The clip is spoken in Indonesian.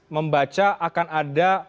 membaca akan ada